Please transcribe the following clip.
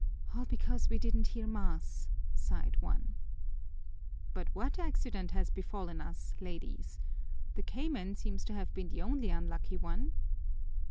"All because we didn't hear mass," sighed one. "But what accident has befallen us, ladies?" asked Ibarra. "The cayman seems to have been the only unlucky one."